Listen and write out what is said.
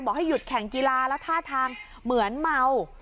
ให้หยุดแข่งกีฬาแล้วท่าทางเหมือนเมา